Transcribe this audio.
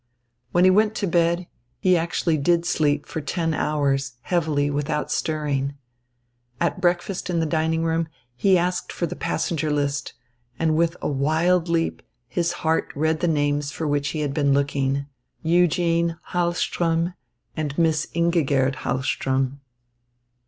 When he went to bed, he actually did sleep for ten hours, heavily, without stirring. At breakfast in the dining room, he asked for the passenger list, and with a wild leap of his heart read the names for which he had been looking, Eugen Hahlström and Miss Ingigerd Hahlström.